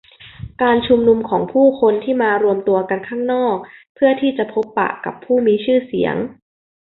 การชุมนุมของผู้คนที่มารวมตัวกันข้างนอกเพื่อที่จะพบปะกับผู้มีชื่อเสียง